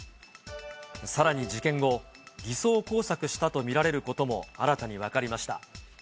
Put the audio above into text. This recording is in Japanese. さらに事件後、偽装工作したと見られることも新たに分かりました。